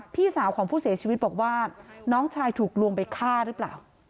พี่สาวของผู้เสียชีวิตบอกว่าน้องชายถูกลวงไปฆ่าหรือเปล่า